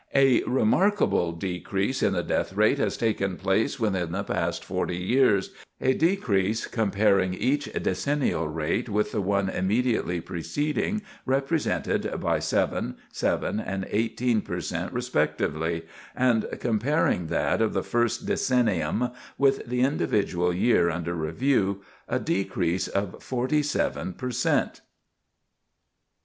"A remarkable decrease in the death rate has taken place within the past forty years, a decrease comparing each decennial rate with the one immediately preceding represented by seven, seven, and eighteen per cent respectively, and comparing that of the first decennium with the individual year under review, a decrease of forty seven per cent."